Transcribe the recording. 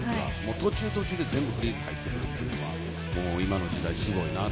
途中途中で全部フリーズ入ってくるのは今の時代、すごいなと。